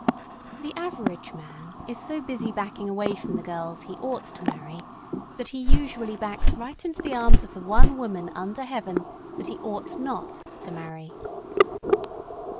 The average man is so busy backing away from the girls he ought to marry that he usually backs right into the arms of the one woman under Heaven that he ought not to marry.